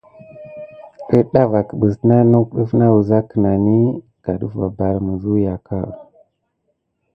Əɗah va kəmna nok def na hoga kinani kabarkamà meyuhiyaku.